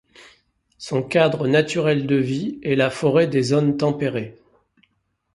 Son cadre naturel de vie est la forêt des zones tempérées.